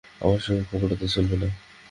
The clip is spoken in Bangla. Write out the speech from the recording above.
আমার সঙ্গে কপটতা চলবে না।